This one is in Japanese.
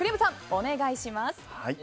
お願いします。